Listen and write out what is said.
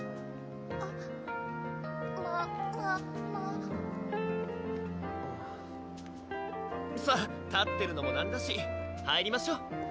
あっマママさぁ立ってるのもなんだし入りましょ！